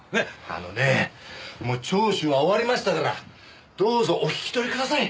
あのねえもう聴取は終わりましたからどうぞお引き取りください。